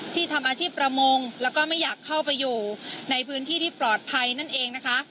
ทำอาชีพประมงแล้วก็ไม่อยากเข้าไปอยู่ในพื้นที่ที่ปลอดภัยนั่นเองนะคะ